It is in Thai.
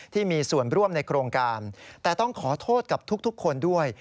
ที่มีส่วนร่วมในโครงการแต่ต้องขอโทษกับทุกคนด้วย